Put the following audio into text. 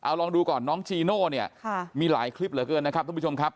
เอาลองดูก่อนน้องจีโน่เนี่ยมีหลายคลิปเหลือเกินนะครับทุกผู้ชมครับ